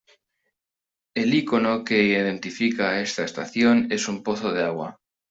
El ícono que identifica a esta estación es un pozo de agua.